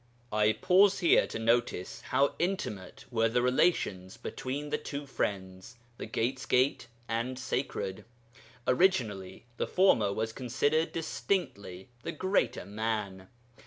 I pause here to notice how intimate were the relations between the two friends the 'Gate's Gate' and 'Sacred.' Originally the former was considered distinctly the greater man.